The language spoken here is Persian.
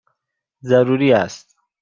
ضروری است!